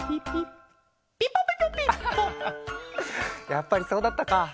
やっぱりそうだったか！